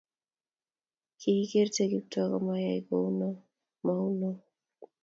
ki ikerte Kiptoo komayai kou noe, mou noe